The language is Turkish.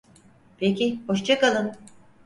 Peki, hoşça kalın.